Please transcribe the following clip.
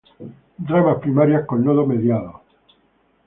Ramas primarias con nodo mediados.